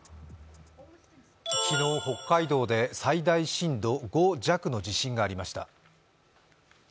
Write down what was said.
昨日、北海道で最大震度５弱の地震がありました。